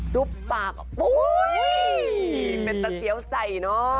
๑๒๓จุ๊บปากกะหุ์เป็นสะเตี๋ยวใสหน้อ